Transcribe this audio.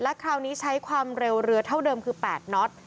คราวนี้ใช้ความเร็วเรือเท่าเดิมคือ๘น็อต